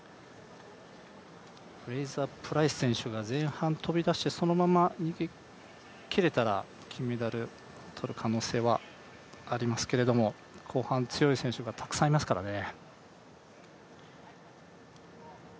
フレイザープライス、前半飛び出してそのまま逃げきれたら、金メダルをとる可能性はありますけども後半強い選手がたくさんいますからね。